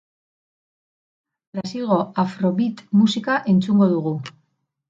Brasilgo afro-beat musika entzungo dugu.